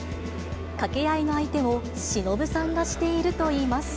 掛け合いの相手をしのぶさんがしているといいます。